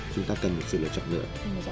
chúng ta cần một sự lựa chọn nữa